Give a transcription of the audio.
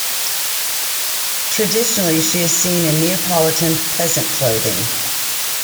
Traditionally, she is seen in Neapolitan peasant clothing.